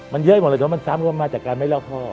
มันเยอะอยู่หมดเลยเพราะว่ามันซ้ำมาจากการไม่เล่าข้อ